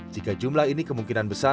jika jumlah ini kemungkinan besar